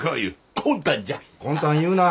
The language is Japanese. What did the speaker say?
魂胆言うな。